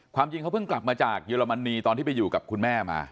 จริงเขาเพิ่งกลับมาจากเยอรมนีตอนที่ไปอยู่กับคุณแม่มา